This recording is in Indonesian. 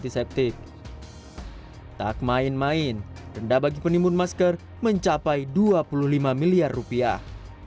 tak main main denda bagi penimbun masker mencapai dua puluh lima miliar rupiah